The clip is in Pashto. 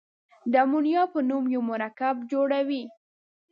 د امونیا په نوم یو مرکب جوړوي.